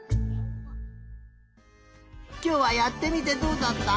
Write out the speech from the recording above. きょうはやってみてどうだった？